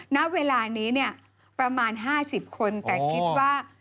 ณเวลานี้เนี่ยประมาณ๕๐คนแต่คิดว่า